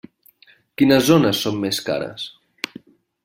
Quines zones són més cares?